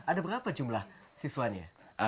ada berapa jumlah siswanya